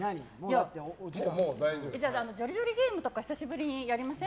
またジョリジョリゲームとか一緒にやりません？